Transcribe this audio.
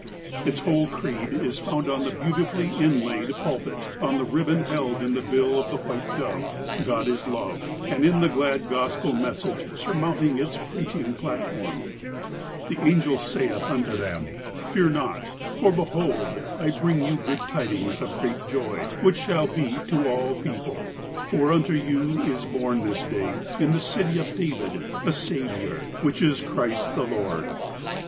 Its whole creed is found on the beautifully inlaid pul pit, on the ribbon held in the bill of the white dove : ''God is love," and in the glad Gospel message sur mounting its preaching platform : ''The angel saith unto them :' Fear not, for behold I bring you good tidings of great joy, which shall be to all people : For unto you is born this day, in the City of David, a Saviour, which is Christ the Lord.'